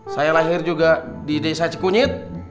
saya lahir juga di desa cikunyit